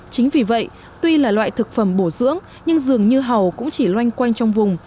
chính vì vậy tuy là loại thực phẩm bổ dưỡng nhưng dường như hầu cũng chỉ loanh quanh trong vùng